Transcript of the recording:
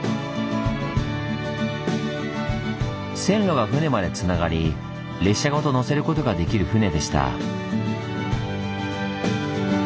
線路が船までつながり列車ごとのせることができる船でした。